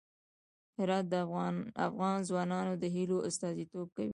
هرات د افغان ځوانانو د هیلو استازیتوب کوي.